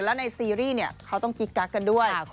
แล้วในซีรีส์เนี่ยเขาต้องกิ๊กกักกันด้วย